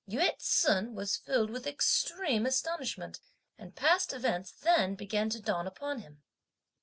Yü ts'un was filled with extreme astonishment; and past events then began to dawn upon him.